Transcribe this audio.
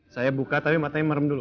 saya buka tapi matanya merem dulu